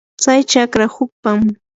tsay chakra hukpam.